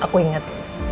aku inget itu